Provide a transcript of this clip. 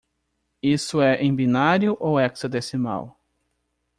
Isso é em binário ou hexadecimal?